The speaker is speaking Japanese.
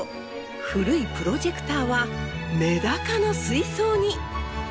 古いプロジェクターはメダカの水槽に。